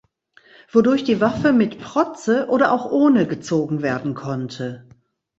Wodurch die Waffe mit Protze oder auch ohne gezogen werden konnte.